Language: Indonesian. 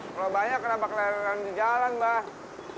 kalau banyak kenapa kelelan lelan di jalan mbak